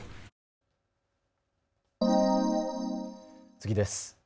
次です。